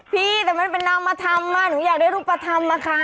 พี่แต่มันเป็นน้องประธำน่ะหนูอยากได้รูปประธำนะคะ